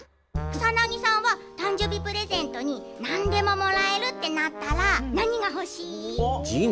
草なぎさんは誕生日プレゼントに何でももらえるってなったら何が欲しい？